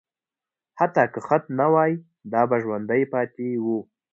حتی که خط نه وای، دا به ژوندي پاتې وو.